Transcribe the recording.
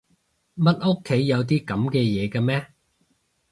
乜屋企有啲噉嘅嘢㗎咩？